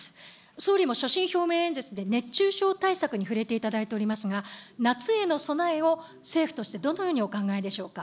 総理も所信表明演説で熱中症対策に触れていただいておりますが、夏への備えを政府としてどのようにお考えでしょうか。